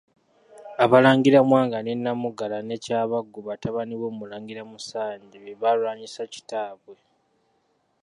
Abalangira Mwanga ne Namugala ne Kyabaggu batabani b'Omulangira Musanje be baalwanyisa kitaabwe.